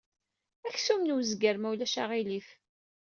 Aksum n wezger, ma ulac aɣilif.